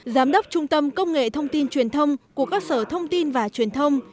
giám đốc trung tâm công nghệ thông tin truyền thông của các sở thông tin và truyền thông